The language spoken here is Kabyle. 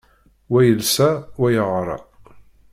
Wa yelsa, wa yeεra.